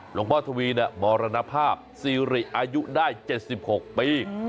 หลวงพ่อทวีเนี่ยมรณภาพสิริอายุได้๗๖ปี